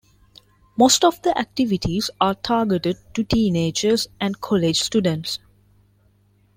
Most of the activities are targeted to teenagers and college students.